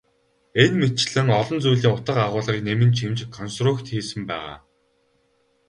Энэ мэтчилэн олон зүйлийн утга агуулгыг нэмэн чимж консрукт хийсэн байгаа.